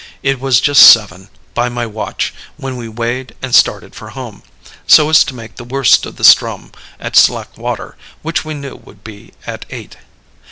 It was just seven, by my watch, when we weighed and started for home, so as to make the worst of the Ström at slack water, which we knew would be at eight.